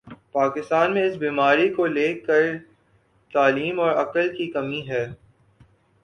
پاکستان میں اس بیماری کو لے کر تعلیم اور عقل کی کمی ہے